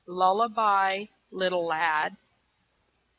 LULLABY, little lad!